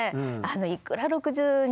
いくら６２